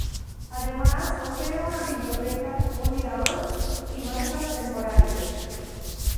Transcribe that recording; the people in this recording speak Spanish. Además, posee una biblioteca, un mirador y muestras temporarias.